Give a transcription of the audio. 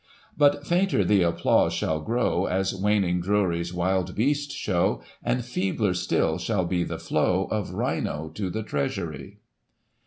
But fainter the applause shall grow. At waning Drury's wild beast show. And feebler Still shall be the flow Of rhino to the treasury.